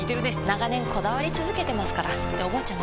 長年こだわり続けてますからっておばあちゃん